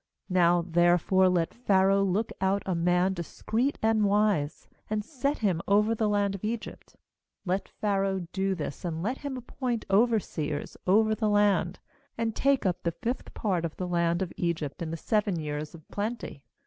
^Now therefore let Pharaoh look put a man discreet and wise, and set him over the land of Egypt. MLet Pharaoh do this, and let him appoint overseers over the land, and take up the fifth part of the land of Egypt in . the seven years of plenty.